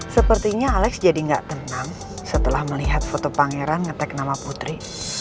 sepertinya alex jadi gak tenang setelah melihat foto pangeran nge tag nama putri